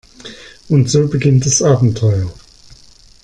Und so beginnt das Abenteuer.